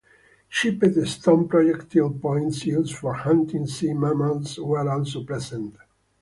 Chipped stone projectile points used for hunting sea mammals were also present.